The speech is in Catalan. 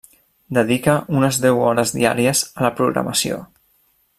Dedica unes deu hores diàries a la programació.